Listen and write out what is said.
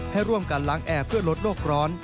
ให้ร่วมกันล้างแอร์เพื่อลดโลกร้อน